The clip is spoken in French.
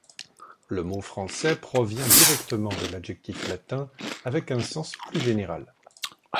Le mot français provient directement de l'adjectif latin, avec un sens plus général.